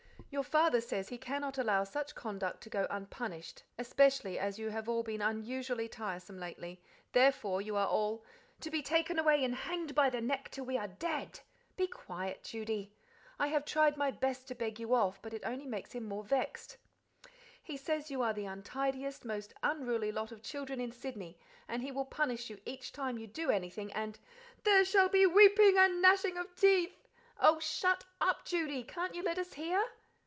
"Your father says he cannot allow such conduct to go unpunished, especially as you have all been unusually tiresome lately; therefore: you are all " "To be taken away and hanged by the neck until we are dead!" "Be quiet, Judy. I have tried my best to beg you off, but it only makes him more vexed. He says you are the untidiest, most unruly lot of children in Sydney, and he will punish you each time you do anything, and " "There shall be weeping and gnashing of teeth." "Oh, shut up, Judy! Can't you let us hear?"